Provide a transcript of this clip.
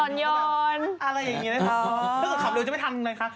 ถ้าหากขับเร็วจะไม่ทันเหมือนกันค่ะ